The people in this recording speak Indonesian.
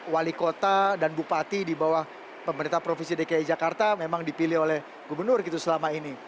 wali kota dan bupati di bawah pemerintah provinsi dki jakarta memang dipilih oleh gubernur gitu selama ini